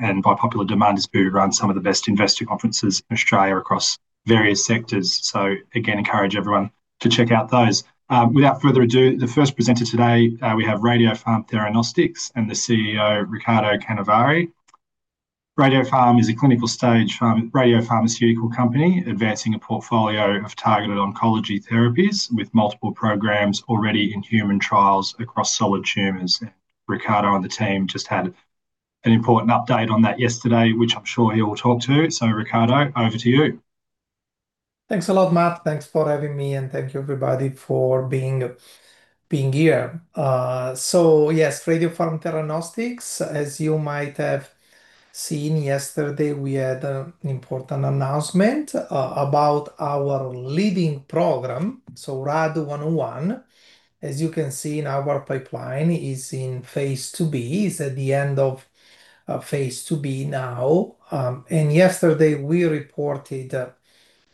By popular demand, has been around some of the best investing conferences in Australia across various sectors. Again, encourage everyone to check out those. Without further ado, the first presenter today, we have Radiopharm Theranostics, and the CEO, Riccardo Canevari. Radiopharm is a clinical-stage radiopharmaceutical company advancing a portfolio of targeted oncology therapies with multiple programs already in human trials across solid tumors. Riccardo and the team just had an important update on that yesterday, which I'm sure he will talk to. Riccardo, over to you. Thanks a lot, Matt. Thanks for having me, and thank you everybody for being here. Yes, Radiopharm Theranostics, as you might have seen yesterday, we had an important announcement about our leading program, so RAD101. As you can see, our pipeline is in phase II-B, at the end of phase II-B now. Yesterday we reported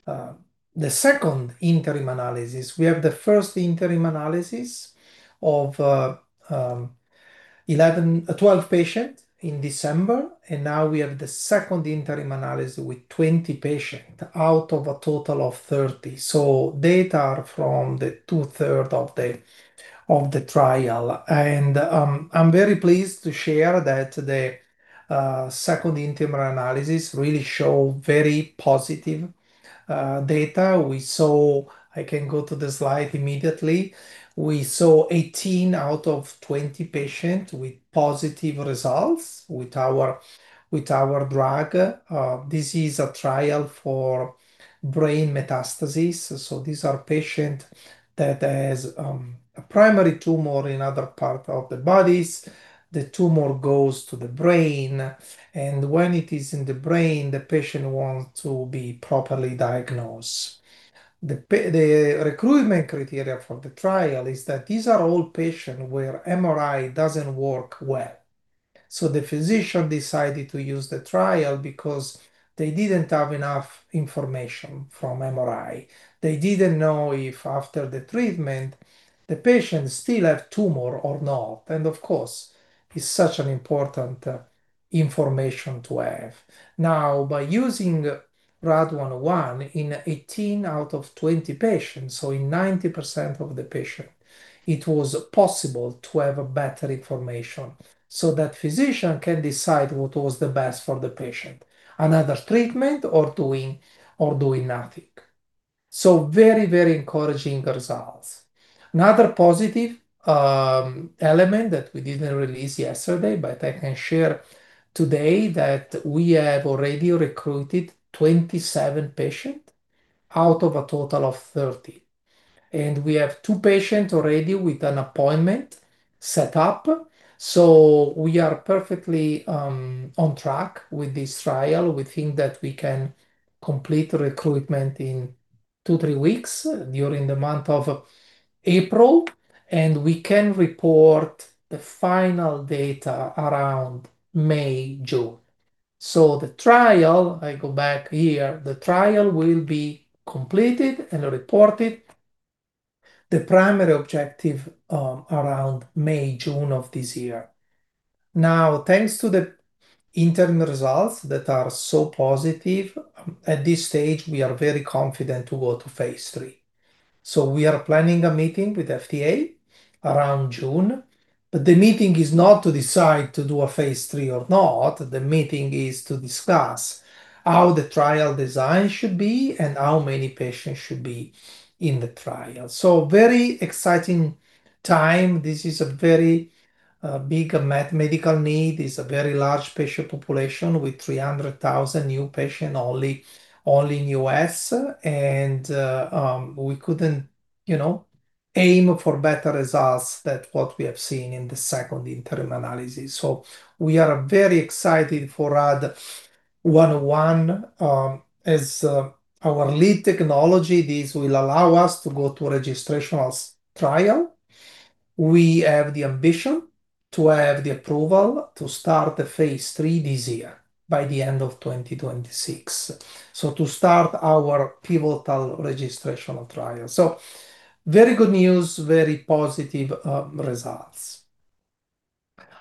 the second interim analysis. We have the first interim analysis of 12 patients in December, and now we have the second interim analysis with 20 patients out of a total of 30. Data from the two-thirds of the trial. I'm very pleased to share that the second interim analysis really shows very positive data. We saw. I can go to the slide immediately. We saw 18 out of 20 patients with positive results with our drug. This is a trial for brain metastasis. These are patients that has a primary tumor in other parts of the bodies. The tumor goes to the brain, and when it is in the brain, the patient wants to be properly diagnosed. The recruitment criteria for the trial is that these are all patients where MRI doesn't work well. The physician decided to use the trial because they didn't have enough information from MRI. They didn't know if after the treatment, the patients still have tumor or not. Of course, it's such an important information to have. Now, by using RAD101 in 18 out of 20 patients, so in 90% of the patients, it was possible to have better information so that physician can decide what was the best for the patient, another treatment or doing nothing. Very, very encouraging results. Another positive element that we didn't release yesterday, but I can share today that we have already recruited 27 patients out of a total of 30. We have two patients already with an appointment set up. We are perfectly on track with this trial. We think that we can complete recruitment in two to three weeks during the month of April, and we can report the final data around May, June. The trial, I go back here, the trial will be completed and reported the primary objective around May, June of this year. Now, thanks to the interim results that are so positive, at this stage, we are very confident to go to phase III. We are planning a meeting with FDA around June. The meeting is not to decide to do a phase III or not. The meeting is to discuss how the trial design should be and how many patients should be in the trial. Very exciting time. This is a very big medical need. It's a very large patient population with 300,000 new patients only in U.S. We couldn't, you know, aim for better results than what we have seen in the second interim analysis. We are very excited for RAD101 as our lead technology. This will allow us to go to registrational trial. We have the ambition to have the approval to start the phase III this year by the end of 2026. To start our pivotal registrational trial. Very good news, very positive, results.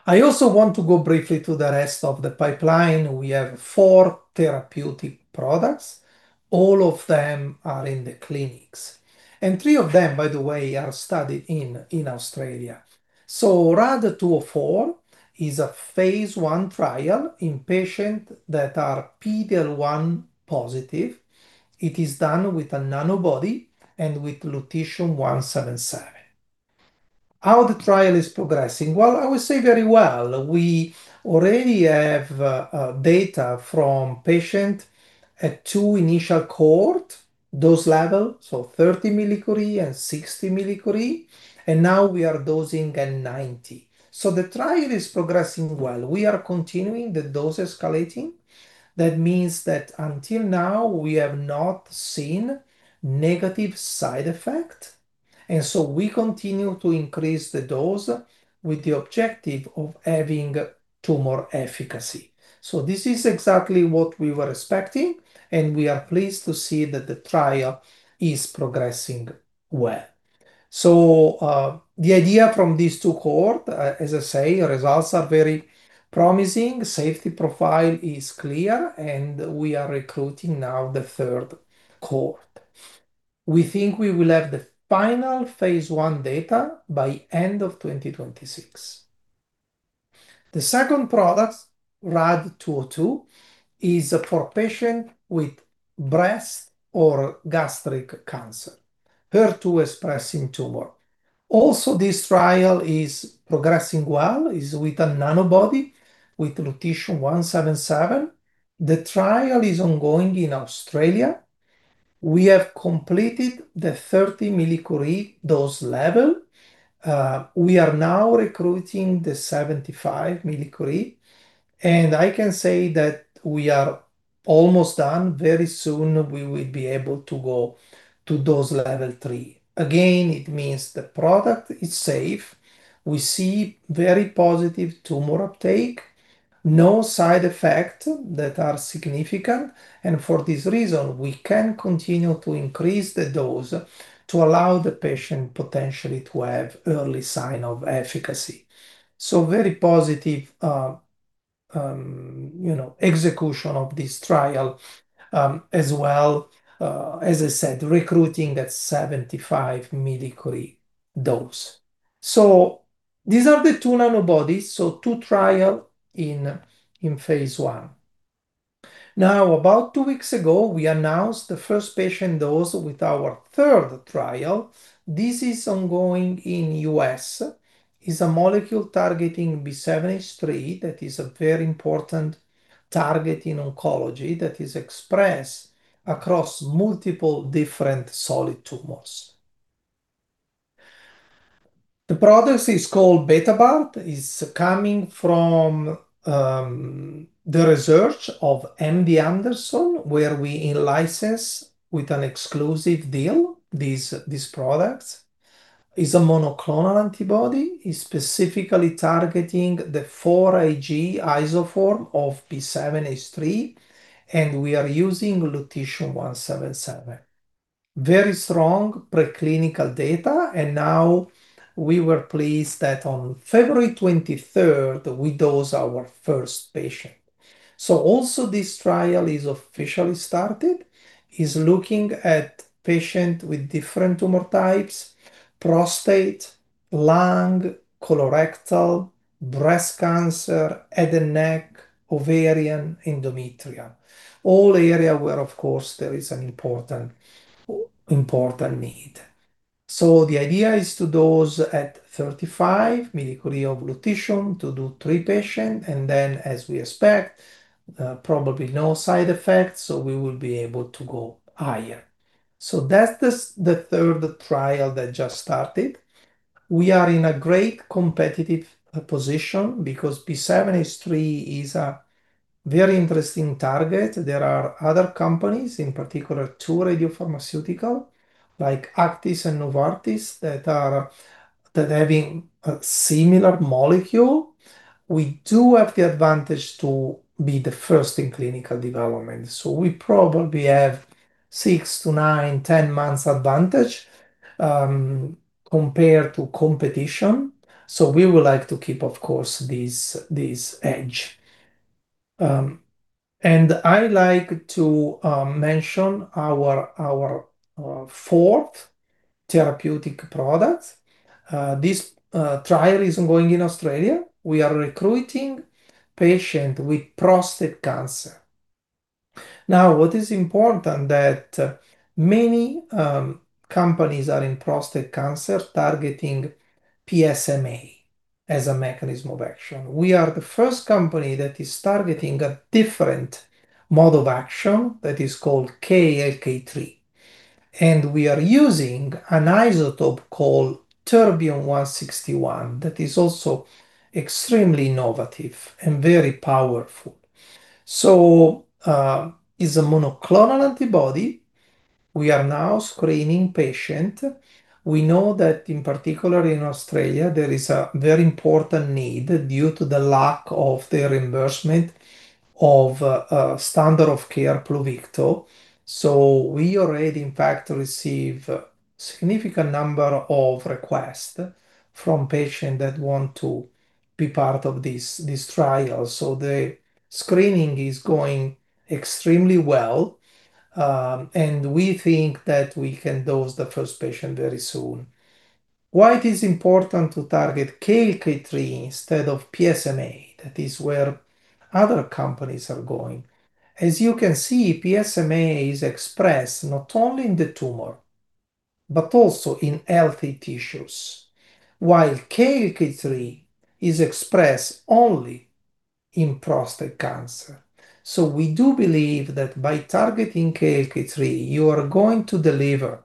I also want to go briefly to the rest of the pipeline. We have four therapeutic products. All of them are in the clinics. Three of them, by the way, are studied in Australia. RAD204 is a phase I trial in patients that are PD-L1 positive. It is done with a nanobody and with Lutetium-177. How the trial is progressing? Well, I would say very well. We already have data from patient at two initial cohort dose level, so 30 millicurie and 60 millicurie. Now we are dosing at 90 millicurie. The trial is progressing well. We are continuing the dose escalating. That means that until now, we have not seen negative side effect. We continue to increase the dose with the objective of having tumor efficacy. This is exactly what we were expecting, and we are pleased to see that the trial is progressing well. The idea from these two cohort, as I say, results are very promising, safety profile is clear, and we are recruiting now the third cohort. We think we will have the final phase I data by end of 2026. The second product, RAD 202, is for patient with breast or gastric cancer, HER2 expressing tumor. Also, this trial is progressing well, is with a nanobody with lutetium-177. The trial is ongoing in Australia. We have completed the 30 millicurie dose level. We are now recruiting the 75 millicurie, and I can say that we are almost done. Very soon, we will be able to go to dose level 3. Again, it means the product is safe. We see very positive tumor uptake, no side effects that are significant, and for this reason, we can continue to increase the dose to allow the patient potentially to have early sign of efficacy. Very positive, you know, execution of this trial, as well, as I said, recruiting that 75 millicurie dose. These are the two nanobodies, two trials in phase I. Now, about two weeks ago, we announced the first patient dose with our third trial. This is ongoing in U.S. It's a molecule targeting B7H3. That is a very important target in oncology that is expressed across multiple different solid tumors. The product is called BetaBart. It's coming from the research of MD Anderson, where we in-license with an exclusive deal this product. It's a monoclonal antibody. It's specifically targeting the 4Ig isoform of B7-H3, and we are using lutetium-177. Very strong preclinical data, and now we were pleased that on February twenty-third, we dosed our first patient. Also this trial is officially started. It's looking at patients with different tumor types, prostate, lung, colorectal, breast cancer, head and neck, ovarian, endometrial, all areas where, of course, there is an important need. The idea is to dose at 35 millicurie of lutetium to do three patients, and then as we expect, probably no side effects, so we will be able to go higher. That's the third trial that just started. We are in a great competitive position because B7H3 is a very interesting target. There are other companies, in particular two radiopharmaceutical, like Aktis and Novartis, that are having a similar molecule. We do have the advantage to be the first in clinical development, so we probably have 6 to 9, 10 months advantage compared to competition, so we would like to keep, of course, this edge. I like to mention our fourth therapeutic product. This trial is ongoing in Australia. We are recruiting patient with prostate cancer. Now, what is important that many companies are in prostate cancer targeting PSMA as a mechanism of action. We are the first company that is targeting a different mode of action that is called KLK3, and we are using an isotope called Terbium-161 that is also extremely innovative and very powerful. It's a monoclonal antibody. We are now screening patients. We know that in particular in Australia, there is a very important need due to the lack of the reimbursement of standard of care Pluvicto. We already in fact receive significant number of requests from patients that want to be part of this trial. The screening is going extremely well, and we think that we can dose the first patient very soon. Why it is important to target KLK3 instead of PSMA? That is where other companies are going. As you can see, PSMA is expressed not only in the tumor, but also in healthy tissues, while KLK3 is expressed only in prostate cancer. We do believe that by targeting KLK3, you are going to deliver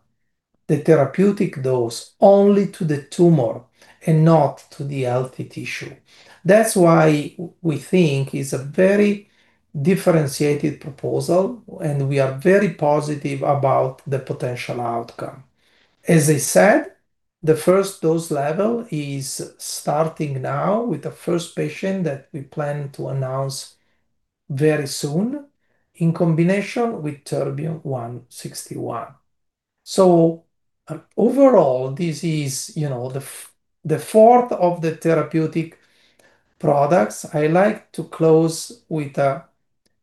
the therapeutic dose only to the tumor and not to the healthy tissue. That's why we think it's a very differentiated proposal, and we are very positive about the potential outcome. As I said, the first dose level is starting now with the first patient that we plan to announce very soon, in combination with Terbium-161. Overall, this is, you know, the fourth of the therapeutic products. I like to close with a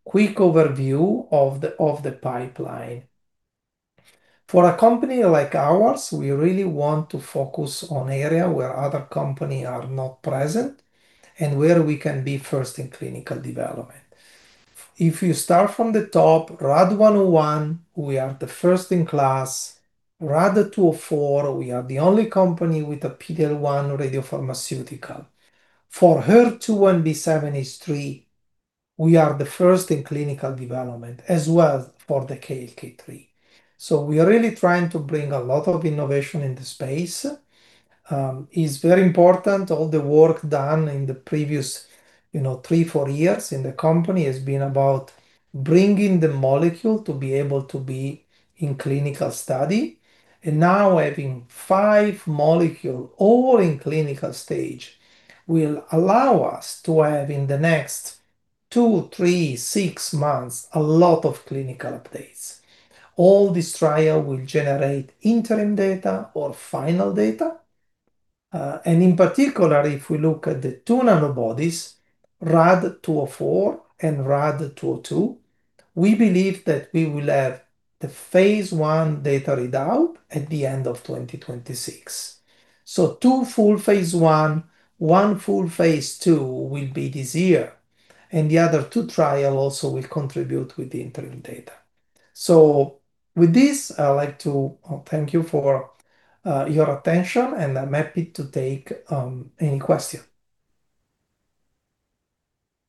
quick overview of the pipeline. For a company like ours, we really want to focus on area where other company are not present and where we can be first in clinical development. If you start from the top, RAD 101, we are the first in class. RAD 204, we are the only company with a PD-L1 radiopharmaceutical. For HER2 and B7H3, we are the first in clinical development, as well for the KLK3. So we are really trying to bring a lot of innovation in the space. It's very important all the work done in the previous, you know, three, four years in the company has been about bringing the molecule to be able to be in clinical study. Now having five molecule all in clinical stage will allow us to have, in the next two, three, six months, a lot of clinical updates. All this trial will generate interim data or final data. In particular, if we look at the two nanobodies, RAD 204 and RAD 202, we believe that we will have the phase I data readout at the end of 2026. Two full phase I, one full phase II will be this year, and the other two trial also will contribute with the interim data. With this, I would like to thank you for your attention, and I'm happy to take any question.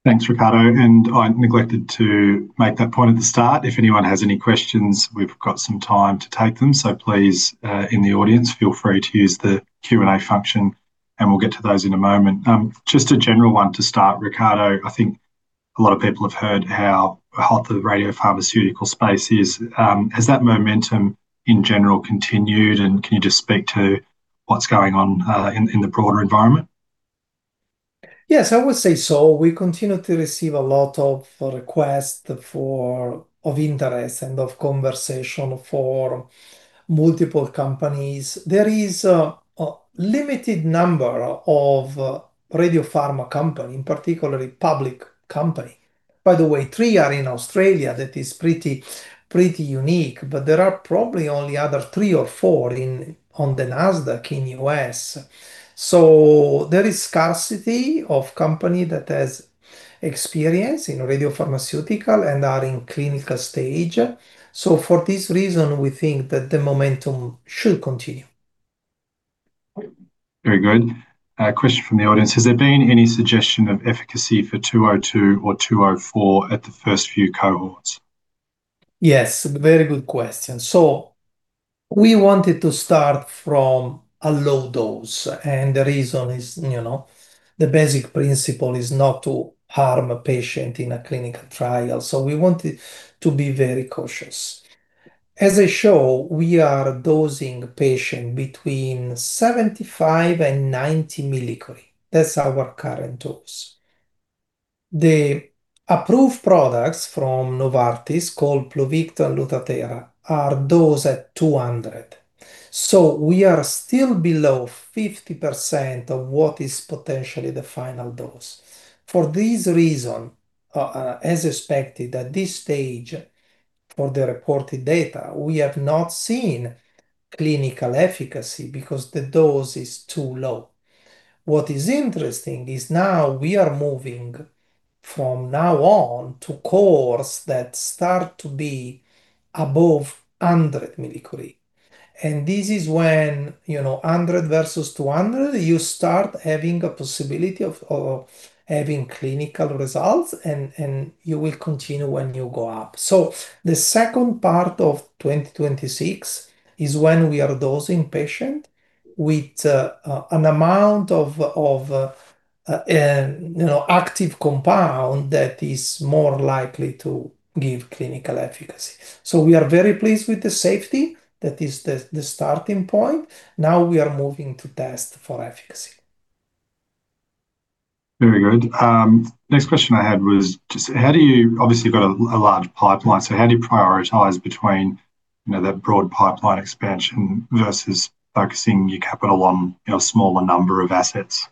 Thanks, Riccardo. I neglected to make that point at the start. If anyone has any questions, we've got some time to take them. Please, in the audience, feel free to use the Q&A function, and we'll get to those in a moment. Just a general one to start, Riccardo. I think a lot of people have heard how hot the radiopharmaceutical space is. Has that momentum in general continued, and can you just speak to what's going on, in the broader environment? Yes, I would say so. We continue to receive a lot of requests of interest and of conversation for multiple companies. There is a limited number of radiopharma company, in particular a public company. By the way, three are in Australia. That is pretty unique. But there are probably only other three or four on the Nasdaq in U.S. There is scarcity of company that has experience in radiopharmaceutical and are in clinical stage. For this reason, we think that the momentum should continue. Very good. A question from the audience: Has there been any suggestion of efficacy for RAD 202 or RAD 204 at the first few cohorts? Yes, very good question. We wanted to start from a low dose, and the reason is, you know, the basic principle is not to harm a patient in a clinical trial. We wanted to be very cautious. As I show, we are dosing patient between 75 and 90 millicurie. That's our current dose. The approved products from Novartis, called Pluvicto and Lutathera, are dosed at 200 millicurie. We are still below 50% of what is potentially the final dose. For this reason, as expected at this stage for the reported data, we have not seen clinical efficacy because the dose is too low. What is interesting is now we are moving from now on to cohorts that start to be above 100 millicurie. This is when, you know, 100 versus 200, you start having a possibility of having clinical results and you will continue when you go up. The second part of 2026 is when we are dosing patient with an amount of active compound that is more likely to give clinical efficacy. We are very pleased with the safety. That is the starting point. Now we are moving to test for efficacy. Very good. Next question I had was just how do you, obviously you've got a large pipeline, so how do you prioritize between, you know, that broad pipeline expansion versus focusing your capital on, you know, smaller number of assets?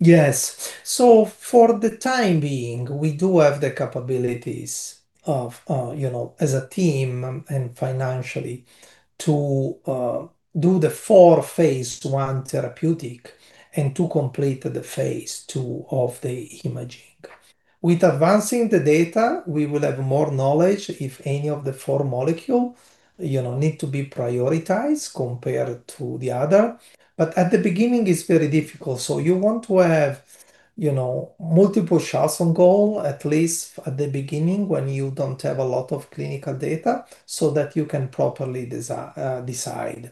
Yes. For the time being, we do have the capabilities of, you know, as a team and financially to do the four phase I therapeutics and to complete the phase II of the imaging. With advancing the data, we will have more knowledge if any of the four molecules need to be prioritized compared to the other. But at the beginning, it's very difficult. You want to have, you know, multiple shots on goal, at least at the beginning when you don't have a lot of clinical data, so that you can properly decide.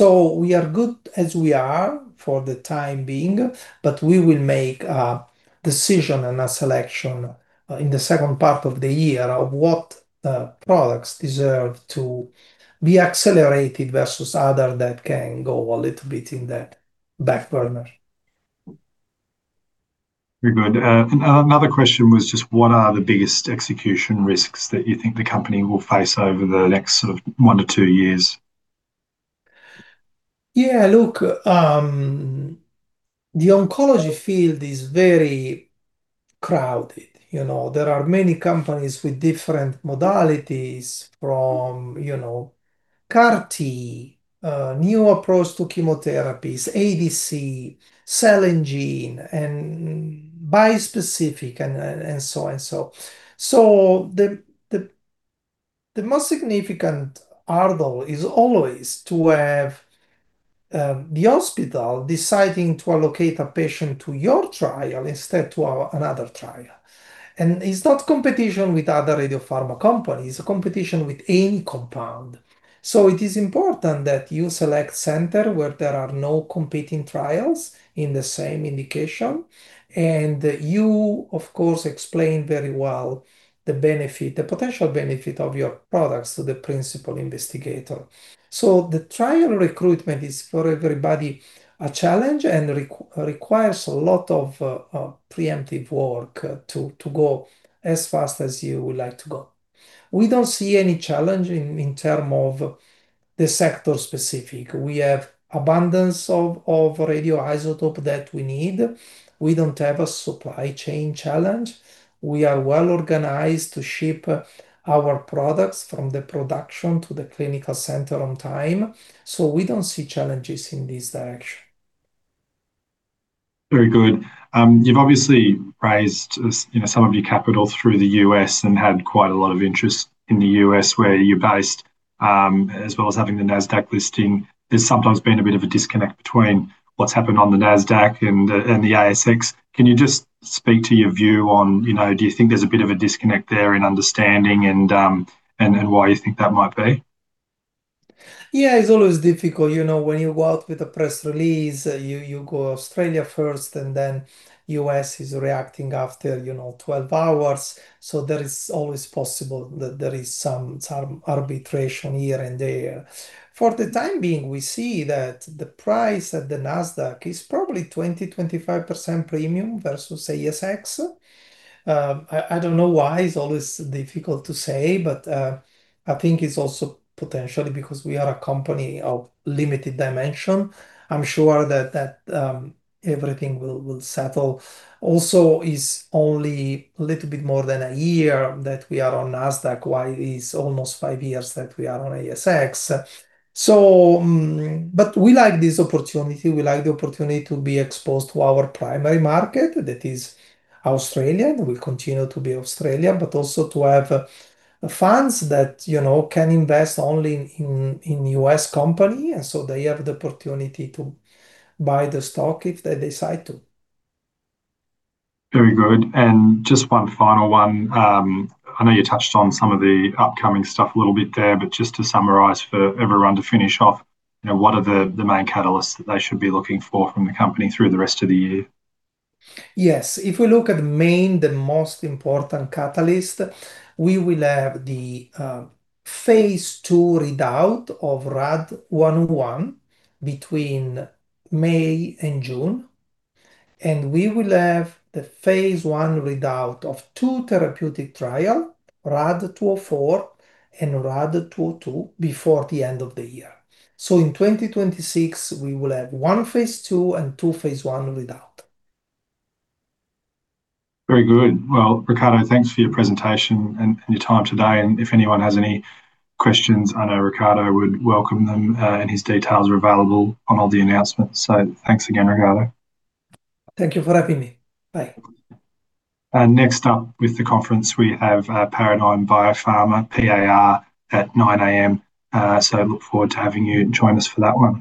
We are good as we are for the time being, but we will make a decision and a selection in the second part of the year of what products deserve to be accelerated versus others that can go a little bit on that backburner. Very good. Another question was just what are the biggest execution risks that you think the company will face over the next sort of one to two years? Yeah. Look, the oncology field is very crowded. You know, there are many companies with different modalities from, you know, CAR-T, new approach to chemotherapies, ADC, cell and gene, and bispecific, and so on. The most significant hurdle is always to have the hospital deciding to allocate a patient to your trial instead to another trial. It's not competition with other radiopharma companies, it's a competition with any compound. It is important that you select center where there are no competing trials in the same indication, and you, of course, explain very well the benefit, the potential benefit of your products to the principal investigator. The trial recruitment is, for everybody, a challenge, and requires a lot of preemptive work to go as fast as you would like to go. We don't see any challenge in terms of the sector specific. We have abundance of radioisotope that we need. We don't have a supply chain challenge. We are well-organized to ship our products from the production to the clinical center on time. We don't see challenges in this direction. Very good. You've obviously raised, you know, some of your capital through the U.S. and had quite a lot of interest in the U.S. where you're based, as well as having the Nasdaq listing. There's sometimes been a bit of a disconnect between what's happened on the Nasdaq and the ASX. Can you just speak to your view on, you know, do you think there's a bit of a disconnect there in understanding and why you think that might be? Yeah. It's always difficult, you know, when you go out with a press release, you go Australia first and then U.S. is reacting after, you know, 12 hours. There is always possible that there is some sort of arbitrage here and there. For the time being, we see that the price at the Nasdaq is probably 20%-25% premium versus ASX. I don't know why, it's always difficult to say, but I think it's also potentially because we are a company of limited dimension. I'm sure that everything will settle. It's also only a little bit more than a year that we are on Nasdaq, while it's almost five years that we are on ASX. We like this opportunity. We like the opportunity to be exposed to our primary market, that is Australia, and will continue to be Australia, but also to have funds that, you know, can invest only in U.S. company, and so they have the opportunity to buy the stock if they decide to. Very good. Just one final one. I know you touched on some of the upcoming stuff a little bit there, but just to summarize for everyone to finish off, you know, what are the main catalysts that they should be looking for from the company through the rest of the year? Yes. If we look at mainly, the most important catalyst, we will have the phase II readout of RAD 101 between May and June, and we will have the phase I readout of two therapeutic trials, RAD 204 and RAD 202, before the end of the year. In 2026, we will have one phase II and two phase I readouts. Very good. Well, Riccardo, thanks for your presentation and your time today. If anyone has any questions, I know Riccardo would welcome them, and his details are available on all the announcements. Thanks again, Riccardo. Thank you for having me. Bye. Next up with the conference, we have Paradigm Biopharmaceuticals, PAR, at 9:00 A.M. Look forward to having you join us for that one.